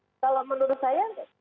kalau menurut saya